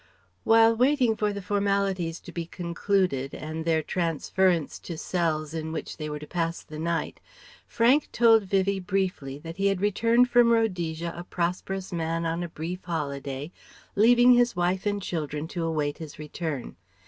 While waiting for the formalities to be concluded and their transference to cells in which they were to pass the night, Frank told Vivie briefly that he had returned from Rhodesia a prosperous man on a brief holiday leaving his wife and children to await his return.